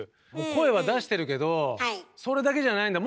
「声は出してるけどそれだけじゃないんだ